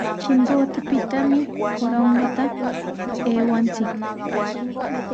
Chimbotepami Corongota aywanchik.